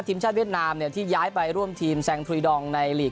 ทีมชาติเวียดนามที่ย้ายไปร่วมทีมแซงทรีดองในลีก